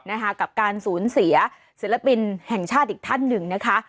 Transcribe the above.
นะคะกับการสูญเสียศิลปินแห่งชาติอีกท่านหนึ่งนะคะ